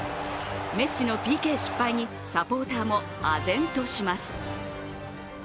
メッシのＰＫ失敗にサポーターもあぜんとします。